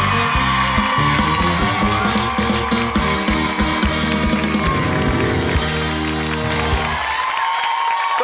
สวัสดีครับ